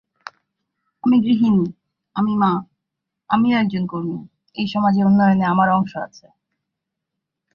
পাঞ্জাবের সবচেয়ে গুরুত্বপূর্ণ আসনগুলির মধ্যে অন্যতম হল লোকসভা ফরিদকোট আসনটি।